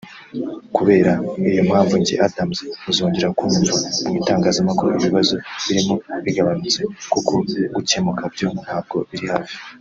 Kubera iyo mpamvu njye Adams muzongera kunyumva mu itangazamakuru ibibazo birimo bigabanutse kuko gukemuka byo ntabwo biri hafi